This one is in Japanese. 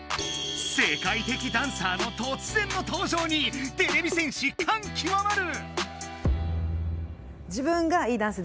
世界的ダンサーの突然の登場にてれび戦士かんきわまる！